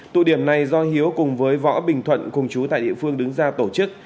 tụ điểm này do hiếu cùng với võ bình thuận cùng chú tại địa phương đứng ra tổ chức